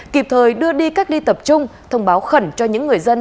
kịp thời đưa đi cách ly tập trung thông báo khẩn cho những người dân